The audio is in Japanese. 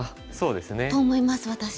そうですね。と思います私。